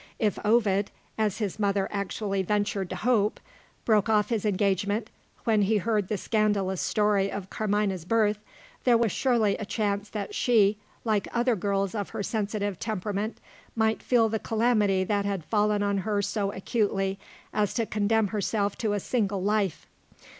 If Ovid (as his mother actually ventured to hope!) broke off his engagement, when he heard the scandalous story of Carmina's birth, there was surely a chance that she, like other girls of her sensitive temperament, might feel the calamity that had fallen on her so acutely as to condemn herself to a single life.